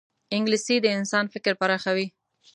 انګلیسي د انسان فکر پراخوي